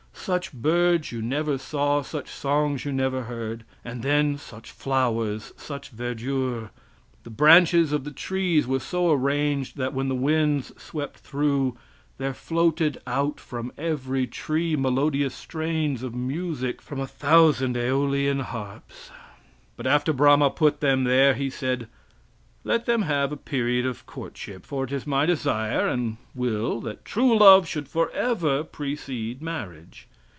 Such birds you never saw, such songs you never heard! and then such flowers, such verdure! The branches of the trees were so arranged that when the winds swept through, there floated out from every tree melodious strains of music from a thousand! Aeolian harps! After Brahma put them there, he said: "Let them have a period of courtship, for it is my desire and will that true love should forever precede marriage."